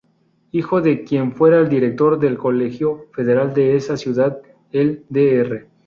Hijo de quien fuera el Director del Colegio Federal de esa ciudad, el Dr.